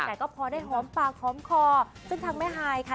แต่ก็พอได้หอมปากหอมคอซึ่งทางแม่ฮายค่ะ